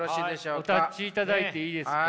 お立ちいただいていいですか。